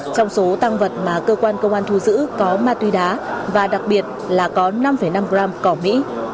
trong số tăng vật mà cơ quan công an thu giữ có ma túy đá và đặc biệt là có năm năm gram cỏ mỹ